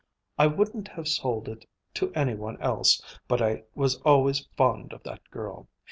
I wouldn't have sold it to any one else, but I was always fond of that girl.